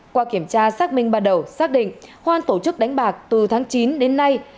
qua kiểm tra xác minh ban đầu xác định hoan tổ chức đánh bạc từ tháng chín đến nay